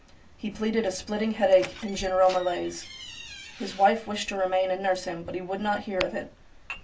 He pleaded a splitting headache and general malaise. His wife wished to remain and nurse him, but he would not hear of it.